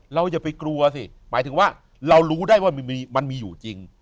อย่าไปกลัวสิหมายถึงว่าเรารู้ได้ว่ามันมีอยู่จริง